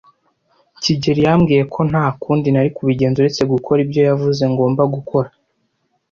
kigeli yambwiye ko nta kundi nari kubigenza uretse gukora ibyo yavuze ngomba gukora.